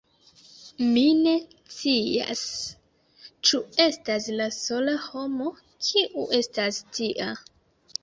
Mi ne scias… Ĉu estas la sola homo, kiu estas tia?